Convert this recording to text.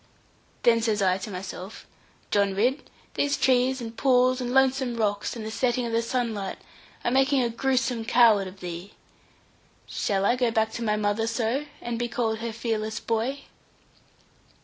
Then says I to myself 'John Ridd, these trees, and pools, and lonesome rocks, and setting of the sunlight are making a gruesome coward of thee. Shall I go back to my mother so, and be called her fearless boy?'